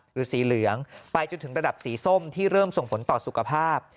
หรือสีเหลืองไปจนถึงระดับสีส้มที่เริ่มส่งผลต่อสุขภาพ